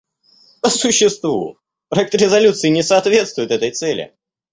По существу, проект резолюции не соответствует этой цели.